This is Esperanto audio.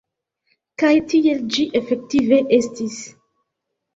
Kaj tiel ĝi efektive estis.